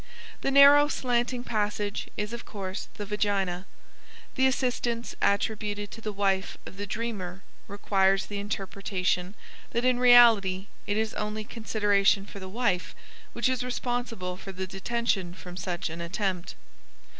The narrow slanting passage is of course the vagina; the assistance attributed to the wife of the dreamer requires the interpretation that in reality it is only consideration for the wife which is responsible for the detention from such an attempt.